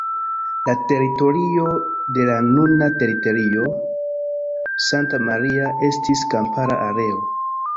La teritorio de la nuna teritorio Santa Maria estis kampara areo.